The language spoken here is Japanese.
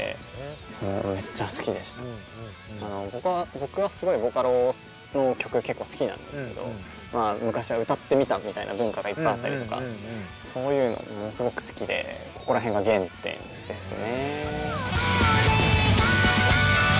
僕はすごいボカロの曲結構好きなんですけどまあ昔は歌ってみたみたいな文化がいっぱいあったりとかそういうのものすごく好きでここら辺が原点ですね。